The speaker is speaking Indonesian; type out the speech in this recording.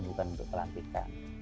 bukan untuk dilantikan